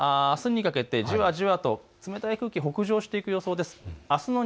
これがあすにかけてじわじわと北上していく予想です。